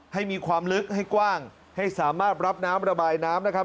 ให้มีความลึกให้กว้างให้สามารถรับน้ำระบายน้ำนะครับ